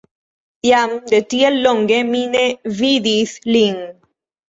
Jam de tiel longe mi ne vidis lin.